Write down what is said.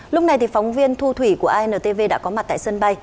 lúc này thì phóng viên thu thủy của antv đã có mặt tại sân bay